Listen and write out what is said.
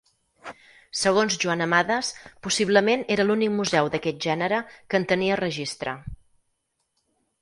Segons Joan Amades, possiblement era l'únic museu d'aquest gènere que en tenia registre.